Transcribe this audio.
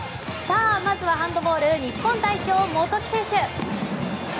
まずはハンドボール日本代表、元木選手。